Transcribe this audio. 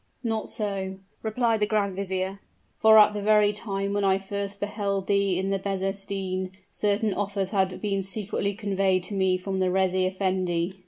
"Not so," replied the grand vizier; "for at the very time when I first beheld thee in the Bezestein, certain offers had been secretly conveyed to me from the reis effendi."